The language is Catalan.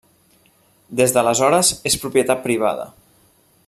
Des d'aleshores és propietat privada.